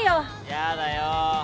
やだよ。